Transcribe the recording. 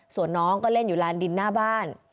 ส่วนน้องก็เล่นอยู่ลานดินหน้าบ้าน